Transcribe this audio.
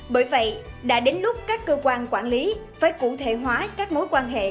bởi vậy đã đến lúc các cơ quan quản lý phải cụ thể hóa các mối quan hệ